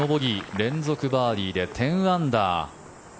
連続バーディーで１０アンダー。